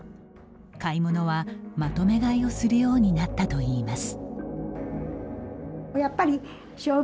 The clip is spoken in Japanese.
買い物はまとめ買いをするようになったといいます。